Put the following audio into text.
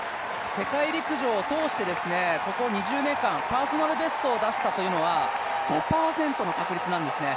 世界陸上を通して、ここ２０年間、パーソナルベストを出したのは５％の確率なんですね。